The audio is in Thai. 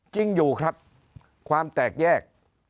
จริงอยู่ครับความแตกแยก